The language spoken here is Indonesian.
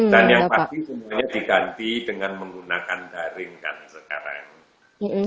dan yang pasti semuanya diganti dengan menggunakan daring sekarang